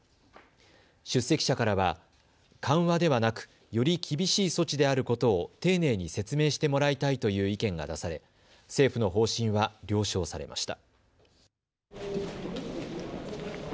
出席者からは緩和ではなく、より厳しい措置であることを丁寧に説明してもらいたいという意見が出され政府の方針は了承されました。